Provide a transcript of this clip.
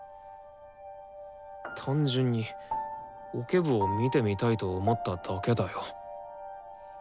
単純にオケ部を見てみたいと思っただけだよ。